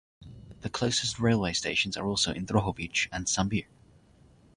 The closest railway stations are also in Drohobych and Sambir.